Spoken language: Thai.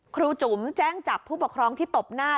ครูจุ๋มแจ้งจับผู้ปกครองที่ตบหน้า